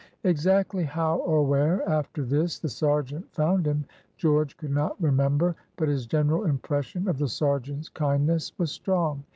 Exactly how or where, after this, the sergeant found him, George could not remember, but his general impression of the sergeant's kindness was strong.